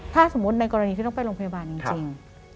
ถ้าสมมุติในกรณีที่ต้องไปโรงพยาบาลจริง